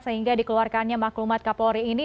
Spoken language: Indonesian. sehingga dikeluarkannya maklumat kapolri ini